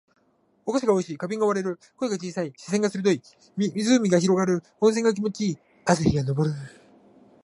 お菓子が美味しい。花瓶が割れる。声が小さい。視線が鋭い。湖が広がる。温泉が気持ち良い。朝日が昇る。